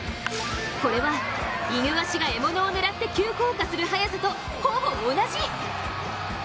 これは、イヌワシが獲物を狙って急降下する速さとほぼ同じ。